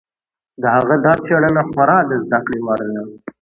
د هغه دا څېړنه خورا د زده کړې وړ ده.